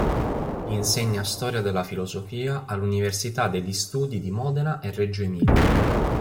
Insegna storia della filosofia all'Università degli Studi di Modena e Reggio Emilia.